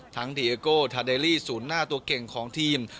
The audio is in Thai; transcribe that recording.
ดีเอโกทาเดลี่ศูนย์หน้าตัวเก่งของทีม